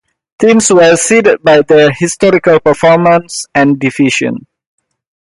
Teams were seeded by their historical performance and Division.